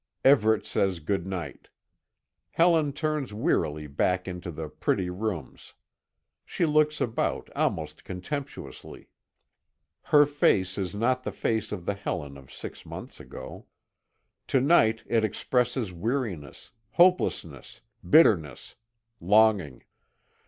Everet says good night. Helen turns wearily back into the pretty rooms. She looks about, almost contemptuously. Her face is not the face of the Helen of six months ago. To night it expresses weariness, hopelessness, bitterness, longing.